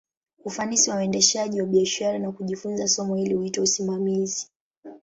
Ufanisi wa uendeshaji wa biashara, na kujifunza somo hili, huitwa usimamizi.